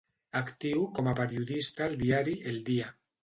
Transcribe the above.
Actiu com a periodista al diari El Día.